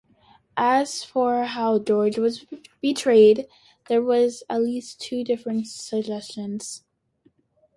As for how George was betrayed, there are at least two differing suggestions.